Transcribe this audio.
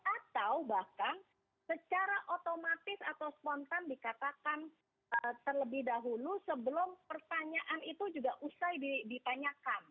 atau bahkan secara otomatis atau spontan dikatakan terlebih dahulu sebelum pertanyaan itu juga usai ditanyakan